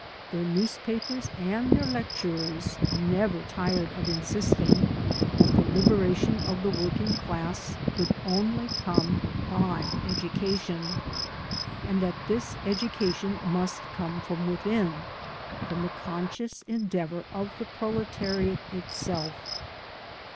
Their newspapers and their lecturers never tired of insisting that the liberation of the working class could only come by education, and that this education must come from within, from the conscious endeavor of the proletariat itself.